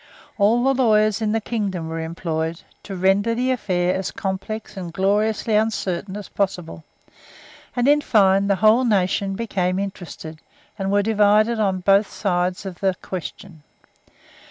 All the lawyers in the kingdom were employed, to render the affair as complex and gloriously uncertain as possible; and, in fine, the whole nation became interested, and were divided on both sides of the question.